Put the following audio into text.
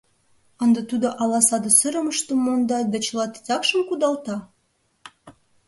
Ынде тудо ала саде сырымыштым монда да чыла титакшым кудалта?